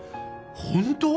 本当！？